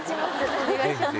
お願いします。